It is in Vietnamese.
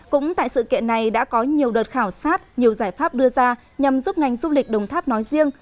cũng tại sự kiện này đã có nhiều đợt khảo sát nhiều giải pháp đưa ra nhằm giúp ngành du lịch đồng tháp nói riêng